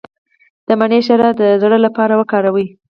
د مڼې شیره د زړه لپاره وکاروئ